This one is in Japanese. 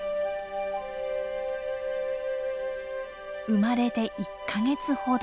生まれて１か月ほど。